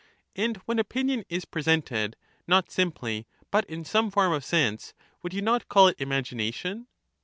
And when opinion is presented, not simply, but in some form of sense, would you not call it imagination